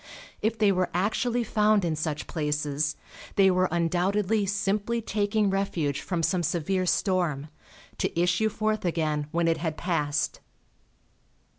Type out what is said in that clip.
If they were actually found in such places they were undoubtedly simply taking refuge from some severe storm, to issue forth again when it had passed.